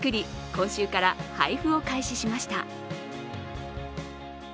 今週から配布を開始しました。